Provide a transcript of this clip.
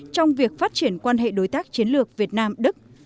trong việc phát triển quan hệ đối tác chiến lược việt nam đức